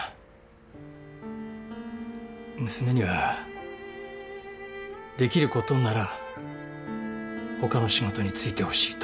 娘にはできることなら他の仕事に就いてほしいと。